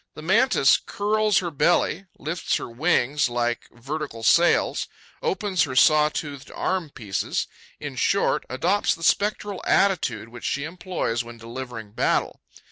The Mantis curls her belly; lifts her wings like vertical sails; opens her saw toothed arm pieces; in short, adopts the spectral attitude which she employs when delivering battle.